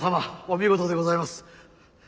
お見事でございます。